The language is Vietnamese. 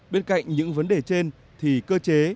bên cạnh những vấn đề trên thì cơ chế